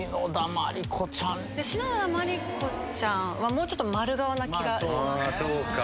篠田麻里子ちゃんはもうちょっと丸顔な気がします。